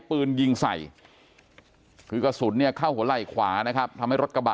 ปืนยิงใส่คือกระสุนเนี่ยเข้าหัวไหล่ขวานะครับทำให้รถกระบะ